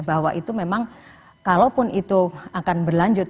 bahwa itu memang kalaupun itu akan berlanjut